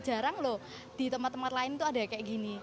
jarang loh di tempat tempat lain tuh ada kayak gini